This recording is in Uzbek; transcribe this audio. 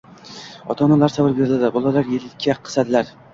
Ota-onalar savol beradilar – bolalar yelka qisadilar.